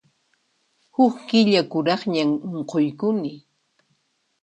Huk killa kuraqñam unquykuni.